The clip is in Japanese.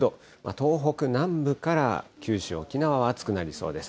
東北南部から九州、沖縄は暑くなりそうです。